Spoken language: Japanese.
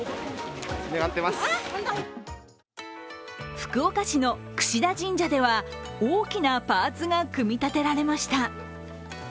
福岡市の櫛田神社では大きなパーツが組み立てられました。